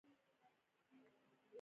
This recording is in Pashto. زه د سندرو د غږ خوښوم.